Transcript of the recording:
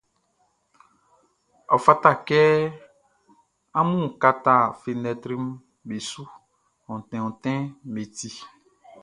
Ɔ fata kɛ amun kata fenɛtriʼm be su, onti ontinʼm be ti.